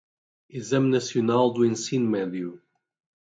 Exame Nacional do Ensino Médio